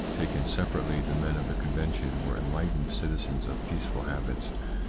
Taken separately, the men of the Convention were enlightened citizens of peaceful habits.